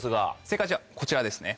正解じゃあこちらですね